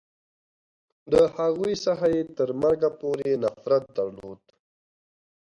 د هغوی څخه یې تر مرګه پورې نفرت درلود.